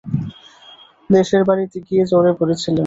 দেশের বাড়িতে গিয়ে জ্বরে পড়েছিলেন।